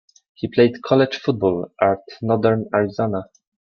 He played college football at Northern Arizona.